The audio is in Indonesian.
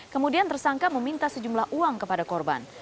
kemudian tersangka meminta sejumlah uang kepada korban